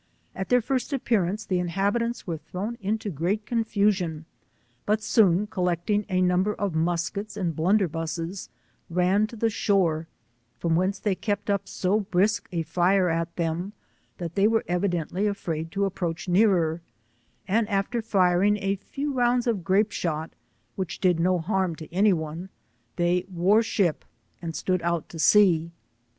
At their first appearance the in habitants were thrown into great confusion, but soon collecting a number of muskets and blunder busses, ran to the shore, from whence they kept up so brisk a fire at theia, that they were evidently afraid to approach nearer, and after firing a Te^ rounds of grape shot which did no harm to any one, they wore ship and stood out to sea.